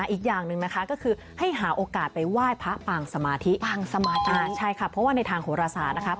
อีกอย่างหนึ่งนะคะก็คือให้หาโอกาสไปว่ายพระปางสมาธิใช่ค่ะเพราะว่าในทางโหรษานะครับ